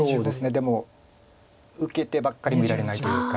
でも受けてばっかりもいられないというか。